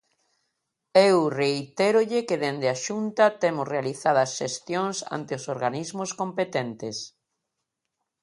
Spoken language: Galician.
Eu reitérolle que dende a Xunta temos realizadas xestións ante os organismos competentes.